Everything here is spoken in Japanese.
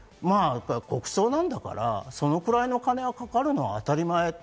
国葬なんだから、そのくらいのお金はかかるのは当たり前。